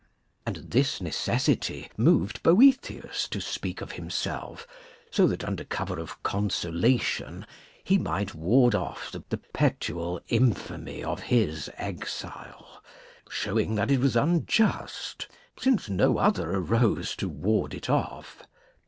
And this necessity moved Boethius to speak of himself, so that under cover of consola Ciuptioif^'' ^ion he might ward off the perpetual infamy of his exile, showing that it [[lOo]] was unjust; AcJ'ffy £ since no other arose to ward it off.